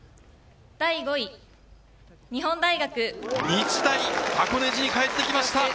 日大、箱根路に帰ってきました。